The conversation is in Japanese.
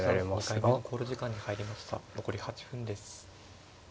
残り８分です。